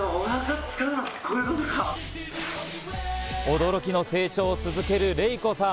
驚きの成長を続けるレイコさん。